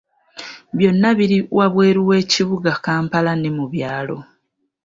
Bono biri wabweru we kibuga Kampala ne mu byalo.